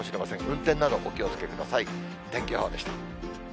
運転などお気をつけください。